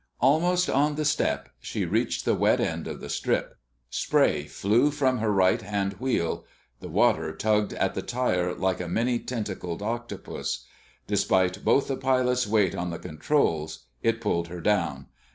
Almost on the "step" she reached the wet end of the strip. Spray flew from her right hand wheel. The water tugged at the tire like a many tentacled octopus. Despite both the pilots' weight on the controls, it pulled her down.